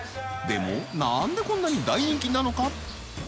でもなんでこんなに大人気なのか？